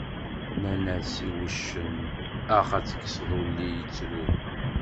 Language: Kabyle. Nnan-as i wuccen ax ad tekseḍ ulli, yettru.